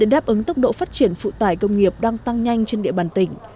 để đáp ứng tốc độ phát triển phụ tải công nghiệp đang tăng nhanh trên địa bàn tỉnh